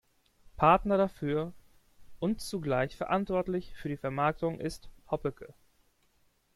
Partner dafür und zugleich verantwortlich für die Vermarktung ist Hoppecke.